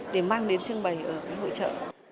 để mang đến trưng bày ở cái hỗ trợ